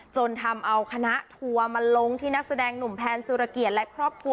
จนทำเอาคณะทัวร์มาลงที่นักแสดงหนุ่มแพนสุรเกียรติและครอบครัว